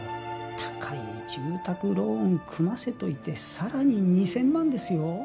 高い住宅ローン組ませといてさらに２千万ですよ